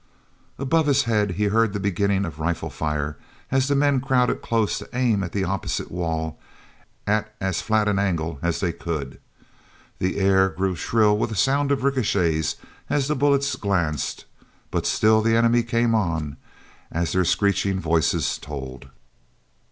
Above his head he heard the beginning of rifle fire as the men crowded close to aim at the opposite wall at as flat an angle as they could. The air grew shrill with the sound of ricochets as the bullets glanced, but still the enemy came on, as their screeching voices told.